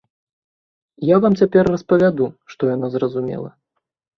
Я вам цяпер распавяду, што яна зразумела.